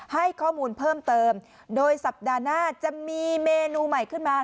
ให้ข้อมูลเพิ่มเติมโดยสัปดาห์หน้าจะมีเมนูใหม่ขึ้นมา